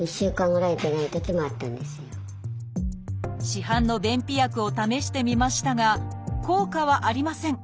市販の便秘薬を試してみましたが効果はありません。